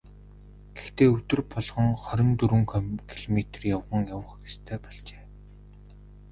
Гэхдээ өдөр болгон хорин дөрвөн километр явган явах ёстой болжээ.